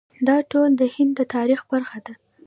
دا ټول د هند د تاریخ برخه ده.